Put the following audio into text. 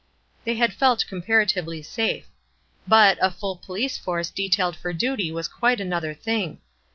They had felt comparatively safe. But "a full police force" detailed for duty was quite another thing.